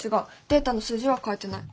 データの数字は変えてない。